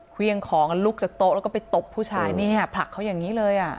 เครื่องของกันลุกจากโต๊ะแล้วก็ไปตบผู้ชายเนี่ยผลักเขาอย่างนี้เลยอ่ะ